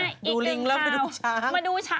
อีกหนึ่งคราวดูดังแล้วมาดูช้าง